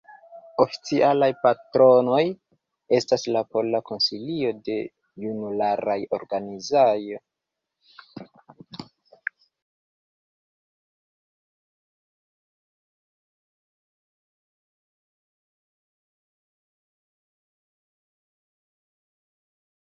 Oficialaj patronoj estas la Pola Konsilio de Junularaj Organizoj kaj la urbo Vroclavo.